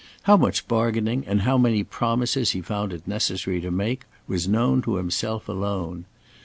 How much bargaining and how many promises he found it necessary to make, was known to himself alone.